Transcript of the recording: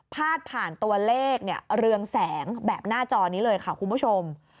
พาดผ่านตัวเลขเรืองแสงแบบหน้าจอนี้เลยค่ะคุณผู้ชม